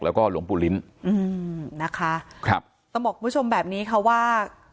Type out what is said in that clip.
แล้วก็หลวงปู่ลิ้นอืมนะคะครับต้องบอกคุณผู้ชมแบบนี้ค่ะว่า